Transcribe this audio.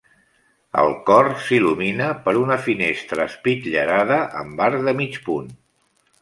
El cor s'il·lumina per una finestra espitllerada amb arc de mig punt.